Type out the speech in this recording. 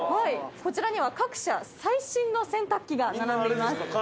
こちらには各社最新の洗濯機が並んでいます。